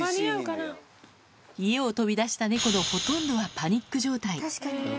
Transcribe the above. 家を飛び出した猫のほとんどはパニック状態。